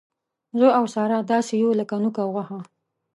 زه او ساره داسې یو لک نوک او غوښه.